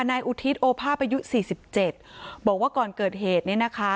นายอุทิศโอภาพอายุสี่สิบเจ็ดบอกว่าก่อนเกิดเหตุเนี่ยนะคะ